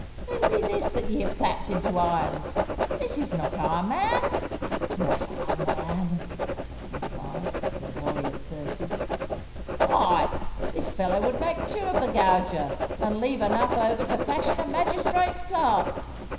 Who be this that ye have clapped into irons? This is not our man!' 'Not our man!' they cried, with a volley of curses. 'Why, this fellow would make two of the gauger, and leave enough over to fashion a magistrate's clerk.